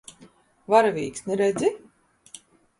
Varavīksni redzi?